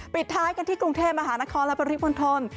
ปิดท้ายกันที่กรุงเทพมหานครและปริมณฑล